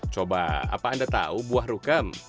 coba apa anda tahu buah rukam